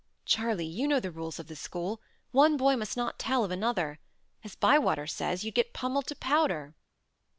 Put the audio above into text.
"Charley, you know the rules of the school: one boy must not tell of another. As Bywater says, you'd get pummelled to powder."